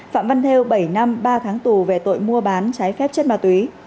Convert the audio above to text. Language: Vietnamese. phạm văn thêu bảy năm ba tháng tủ về tội mua bán trái phép chất ma túy